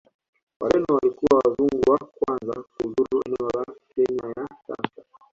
Wareno walikuwa Wazungu wa kwanza kuzuru eneo la Kenya ya sasa